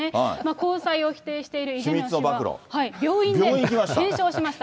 交際を否定しているイ・ジェミョン氏は病院で検証しました。